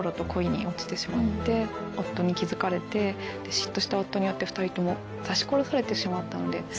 嫉妬した夫によって２人とも刺し殺されてしまったので。